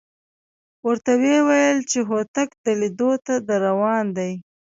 ورته وېویل چې هوتک د لیدو ته درروان دی.